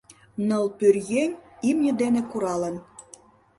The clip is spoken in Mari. — Ныл пӧръеҥ имне дене куралын.